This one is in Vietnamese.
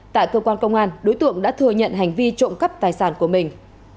tại cơ quan công an đối tượng đã thừa nhận hành vi trộm cắp tài sản của mình